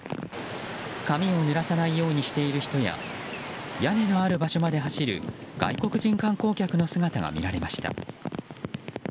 髪をぬらさないようにしている人や屋根のある場所まで走る外国人観光客の姿が見られました。